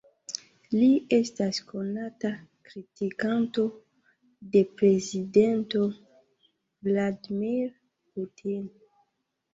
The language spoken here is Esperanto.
Li estas konata kritikanto de prezidento Vladimir Putin.